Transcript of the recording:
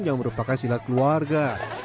yang merupakan silat keluarga